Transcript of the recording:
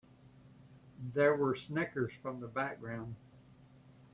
There were snickers from the background.